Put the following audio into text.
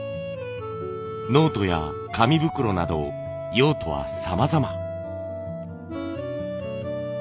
ノートや紙袋など用途はさまざま。